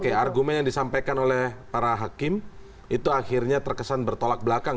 oke argumen yang disampaikan oleh para hakim itu akhirnya terkesan bertolak belakang